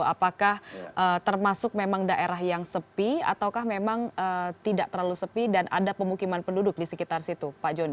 apakah termasuk memang daerah yang sepi ataukah memang tidak terlalu sepi dan ada pemukiman penduduk di sekitar situ pak joni